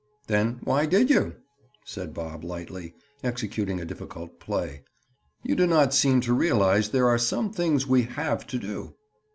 "Then why did you?" said Bob lightly, executing a difficult play. "You do not seem to realize there are some things we have to do."